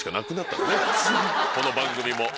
この番組も。